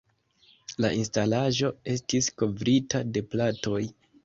La instalaĵo estis kovrita de platoj.